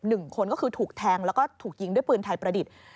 หนึ่งคนก็คือถูกแทงแล้วก็ถูกยิงด้วยปืนไทยประดิษฐ์